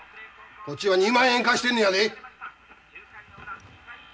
こっちは２万円貸してんのやで。